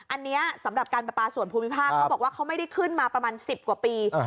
อันนี้สำหรับการประปาส่วนภูมิภาคเขาบอกว่าเขาไม่ได้ขึ้นมาประมาณ๑๐กว่าปี